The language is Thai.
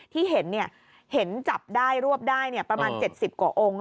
ที่เห็นจับได้รวบได้ประมาณ๗๐กว่าองค์